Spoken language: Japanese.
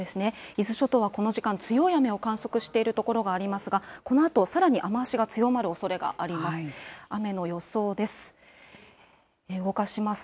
伊豆諸島はこの時間、強い雨を観測している所がありますが、このあとさらに雨足が強まるおそれがあります。